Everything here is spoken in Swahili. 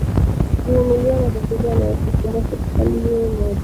kuvumiliaa matatizo yanayoikumba serikali hiyo ya umoja